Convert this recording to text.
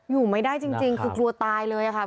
อยู่ไม่ได้จริงคือกลัวตายเลยค่ะ